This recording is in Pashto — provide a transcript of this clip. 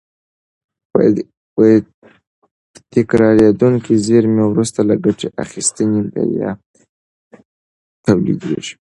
تکرارېدونکې زېرمې وروسته له ګټې اخیستنې بیا تولیدېږي.